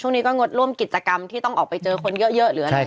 ช่วงนี้ก็งดร่วมกิจกรรมที่ต้องออกไปเจอคนเยอะหรืออะไร